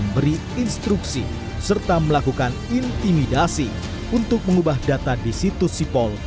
beri instruksi serta melakukan intimidasi untuk mengubah data di situs sipol